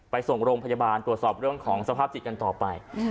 ไปส่งโรงพยาบาลตรวจสอบเรื่องของสภาพจิตกันต่อไป